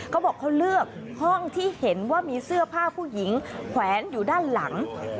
เขาบอกเขาเลือกห้องที่เห็นว่ามีเสื้อผ้าผู้หญิงแขวนอยู่ด้านหลัง